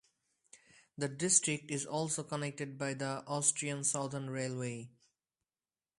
The district is also connected by the Austrian Southern Railway.